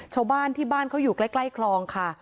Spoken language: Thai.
ชาวบ้านที่บ้านเขาอยู่ใกล้คลองค่ะ